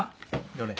どれ。